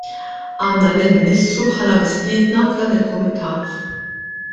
Għandna lill-Ministru bħala mistiedna f'dan il-Kumitat.